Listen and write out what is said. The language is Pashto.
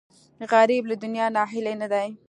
غریب له دنیا ناهیلی نه دی